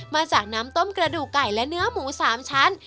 มาจากน้ำต้มกระดูกไก่และเนื้อหมู๓ชั้น